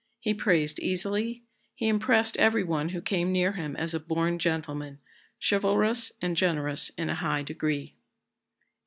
He praised easily. He impressed every one who came near him as a born gentleman, chivalrous and generous in a high degree."